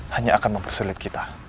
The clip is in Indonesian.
hanya akan mempersulit kita